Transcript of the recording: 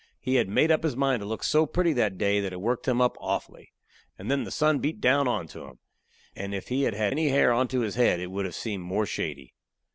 He had made up his mind to look so pretty that day that it worked him up awfully. And then the sun beat down onto him; and if he had had any hair onto his head it would have seemed more shady.